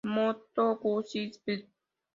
Moto Guzzi Sp.